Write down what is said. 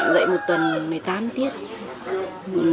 dậy một tuần một mươi tám tiếng